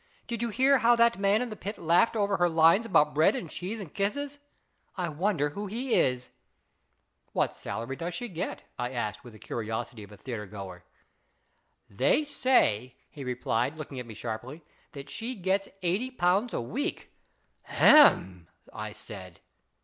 Did you hear how that man in the pit laughed over her lines about bread and cheese and kisses ? I wonder who he is ?"" What salary does she get ?" I asked, with the curiosity of a theatre goer. " They say," he replied, looking at me sharply, " that she gets eighty pounds a week." " Hem !" I said.